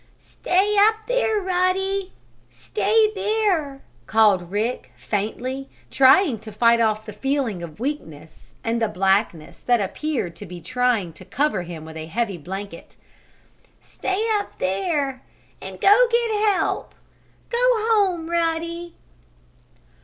"Stay up there, Ruddy! Stay there!" called Rick, faintly, trying to fight off the feeling of weakness and the blackness that appeared to be trying to cover him with a heavy blanket. "Stay up there and go get help! Go home, Ruddy!"